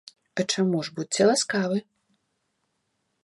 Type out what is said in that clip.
А чаму ж, будзьце ласкавы!